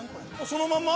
そのまま？